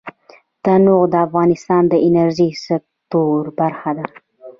تنوع د افغانستان د انرژۍ سکتور برخه ده.